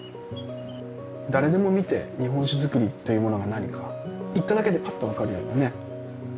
誰でも見て日本酒造りっていうものが何か行っただけでパッと分かるようなね。